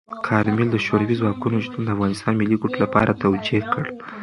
کارمل د شوروي ځواکونو شتون د افغانستان د ملي ګټو لپاره توجیه کړ.